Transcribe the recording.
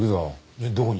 えっどこに？